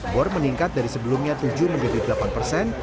bor meningkat dari sebelumnya tujuh menjadi delapan persen